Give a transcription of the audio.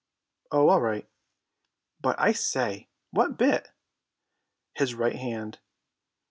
"Oh, all right." "But, I say, what bit?" "His right hand."